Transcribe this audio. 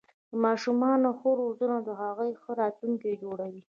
د ماشومانو ښه روزنه د هغوی ښه راتلونکې جوړوي.